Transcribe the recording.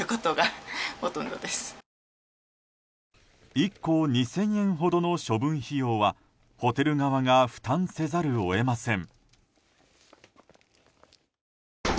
１個２０００円ほどの処分費用はホテル側が負担せざるを得ません。